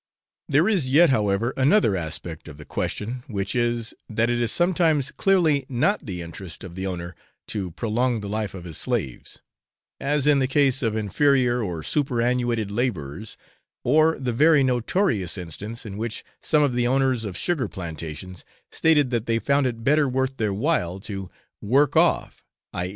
There is yet, however, another aspect of the question, which is, that it is sometimes clearly not the interest of the owner to prolong the life of his slaves; as in the case of inferior or superannuated labourers, or the very notorious instance in which some of the owners of sugar plantations stated that they found it better worth their while to work off (i.